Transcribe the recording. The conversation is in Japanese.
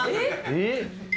えっ？